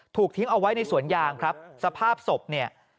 ถูกทิ้งเอาไว้ในสวนยางครับสภาพศพเนี่ย